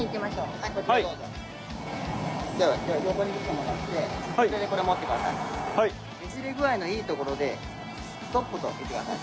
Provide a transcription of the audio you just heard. ねじれ具合のいいところでストップと言ってください。